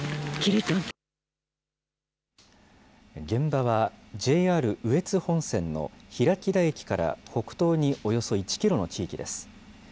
現場はＪＲ羽越本線の平木田駅から北東におよそ１キロの地域です。